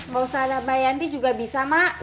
bisa mbak yanti juga bisa mak